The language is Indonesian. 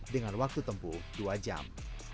dengan waktu tempuh dua jam